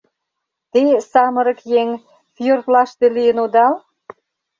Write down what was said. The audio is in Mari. Те, самырык еҥ, фиордлаште лийын одал?